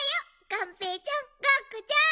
がんぺーちゃんがんこちゃん。